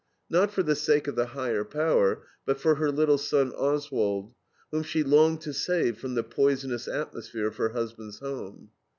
Not for the sake of the higher power, but for her little son Oswald, whom she longed to save from the poisonous atmosphere of her husband's home.